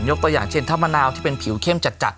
ตัวอย่างเช่นถ้ามะนาวที่เป็นผิวเข้มจัด